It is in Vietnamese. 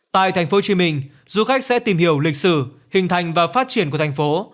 tại thành phố hồ chí minh du khách sẽ tìm hiểu lịch sử hình thành và phát triển của thành phố